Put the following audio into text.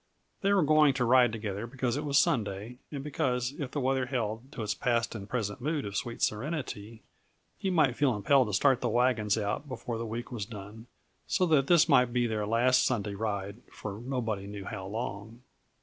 They were going to ride together because it was Sunday and because, if the weather held to its past and present mood of sweet serenity, he might feel impelled to start the wagons out before the week was done; so that this might be their last Sunday ride for nobody knew how long.